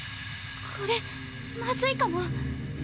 これまずいかも。